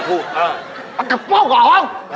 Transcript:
ป๋ากระพงเหรอ